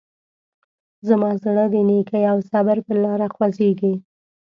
زما زړه د نیکۍ او صبر په لاره خوځېږي.